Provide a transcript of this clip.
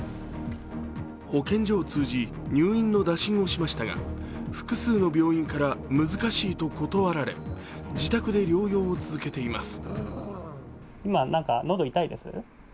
保健所を通じ、入院の打診をしましたが複数の病院から難しいと断られ自宅で療養を続けています。